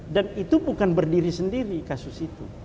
dan itu bukan berdiri sendiri kasus itu